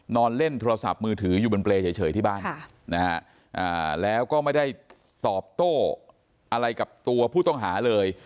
นอนเล่นโทรศัพท์มือถืออยู่บนเปรย์เฉยที่บ้านแล้วก็ไม่ได้ตอบโต้อะไรกับตัวผู้ต้องหาเลย